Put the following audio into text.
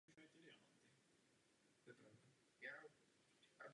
Následuje po čísle sedm set šest a předchází číslu sedm set osm.